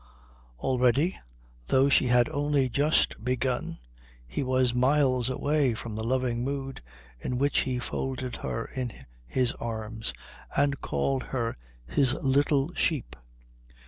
Already, though she had only just begun, he was miles away from the loving mood in which he folded her in his arms and called her his little sheep.